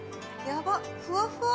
やばっ、ふわふわ。